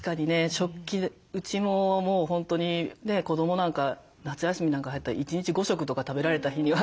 食器うちももう本当にね子どもなんか夏休みなんか入ったら１日５食とか食べられた日には。